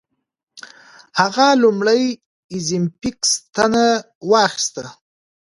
هغې لومړۍ اوزیمپیک ستنه واخیسته.